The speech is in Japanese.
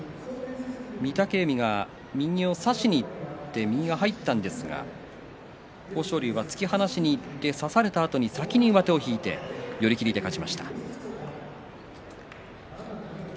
御嶽海が右を差しにいって右が入ったんですが豊昇龍は突き放しにいって差されたあとに先に上手を引いて寄り切りで勝ちました。